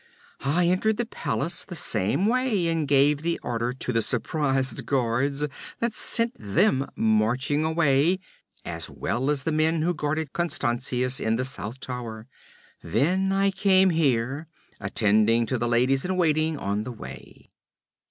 I entered the palace the same way, and gave the order to the surprised guards that sent them marching away, as well as the men who guarded Constantius in the south tower. Then I came here, attending to the ladies in waiting on the way.'